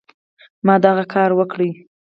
ما دغه کار وکړ.